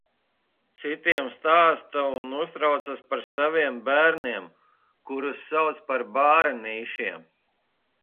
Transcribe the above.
Citiem stāsta un uztraucas par saviem bērniem, kurus sauc par bārenīšiem.